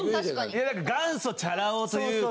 いや何か元祖チャラ男というか。